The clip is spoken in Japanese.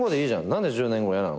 何で１０年後嫌なの？